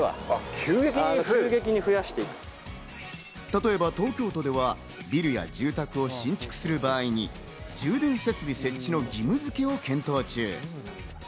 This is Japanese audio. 例えば東京都ではビルや住宅を新築する場合に充電設備設置の義務付けを検討中。